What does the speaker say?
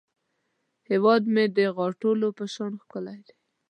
هیواد مې د غاټولو په شان ښکلی دی